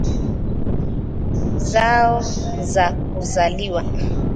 zao za kuzaliwa